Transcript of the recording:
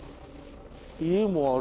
家もある。